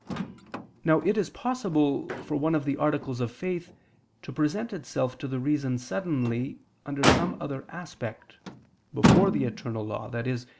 Now it is possible for one of the articles of faith to present itself to the reason suddenly under some other aspect, before the eternal law, i.e.